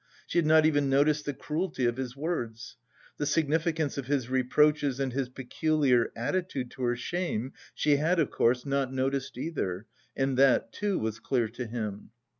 She had not even noticed the cruelty of his words. (The significance of his reproaches and his peculiar attitude to her shame she had, of course, not noticed either, and that, too, was clear to him.)